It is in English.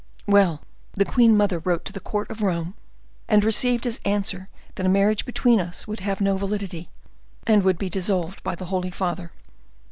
"Well, the queen mother wrote to the court of Rome, and received as answer, that a marriage between us would have no validity, and would be dissolved by the holy father.